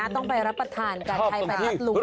ต้องไปรับประทานกันใครไปพัดลุง